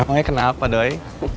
emangnya kenapa doi